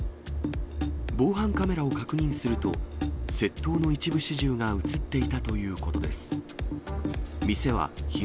防犯カメラを確認すると、窃盗の一部始終が写っていたということです。